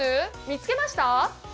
見つけました？